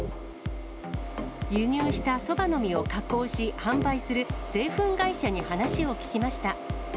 輸入したそばの実を加工し、販売する製粉会社に話を聞きました。